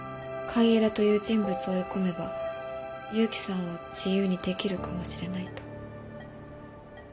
海江田という人物を追い込めば勇気さんを自由にできるかもしれないと。